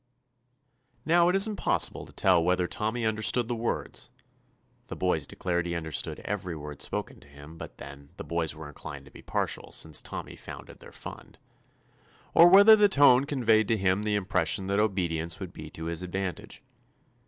Now, it is impossible to tell whether Tommy understood the words (the boys declared he understood every word spoken to him; but then, the boys were inclined to be partial, since Tommy founded their Fund), or whether the tone conveyed to him the impression that obedience would be to his advantage.